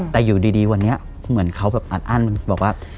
แต่อยู่ดีวันนี้เหมือนเขาแบบอัดอั้นบอกว่า